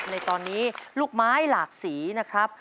ในนี้ลูกไม้หลากสีนะคะ